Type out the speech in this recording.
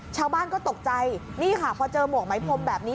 ชาวบ้านก็ตกใจนี่ค่ะพอเจอหมวกไหมพรมแบบนี้